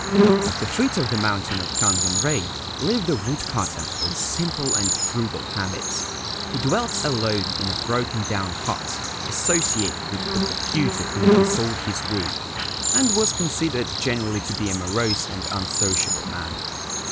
At the foot of the mountain of Kanzanrei lived a wood cutter of simple and frugal habits. He dwelt alone in a broken down hut, associated with but the few to whom he sold his wood, and was considered generally to be a morose and unsociable man.